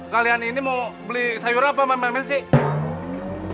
kalian ini mau beli sayura apa mangkuk mangkuk mengkuk sih